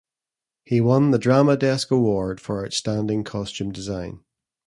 He won the "Drama Desk Award for Outstanding Costume Design".